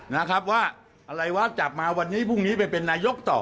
นะครับว่าอะไรวะจับมาวันนี้พรุ่งนี้ไปเป็นนายกต่อ